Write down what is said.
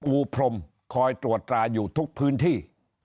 อูพรมคอยตรวจตราอยู่ทุกพื้นที่